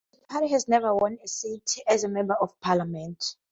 The party has never won a seat as a Member of Parliament.